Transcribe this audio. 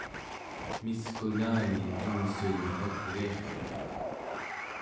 miskunani tengssuun agiirtuq